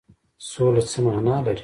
سوله څه معنی لري؟